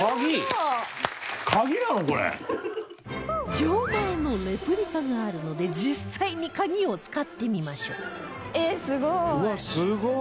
錠前のレプリカがあるので実際にカギを使ってみましょう芦田：すごい！